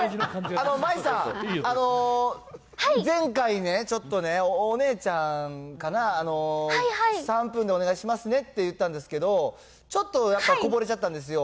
舞衣さん、前回ね、ちょっとね、お姉ちゃんかな、３分でお願いしますねって言ったんですけど、ちょっと、やっぱこぼれちゃったんですよ。